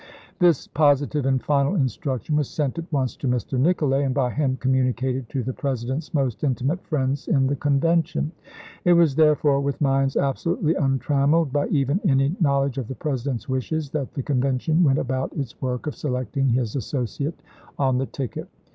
This positive and final instruction was sent at once to Mr. Nicolay, and by him communicated to the President's most intimate friends in the Con vention. It was therefore with minds absolutely untrammeled by even any knowledge of the Presi dent's wishes that the Convention went about its work of selecting his associate on the ticket.